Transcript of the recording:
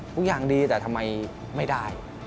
ทุกอย่างดีแต่ทำไมไม่ได้